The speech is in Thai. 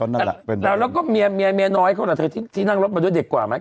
แล้วแล้วก็เมียน้อยคนล่ะที่นั่งรถมาด้วย